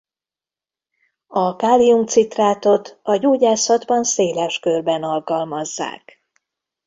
A kálium-citrátot a gyógyászatban széles körben alkalmazzák.